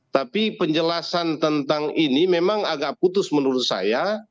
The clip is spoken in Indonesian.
tapi penjelasan tentang ini memang agak putus menurut saya